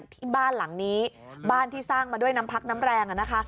ที่บ้านหลังนี้บ้านที่สร้างมาด้วยน้ำพักน้ำแรง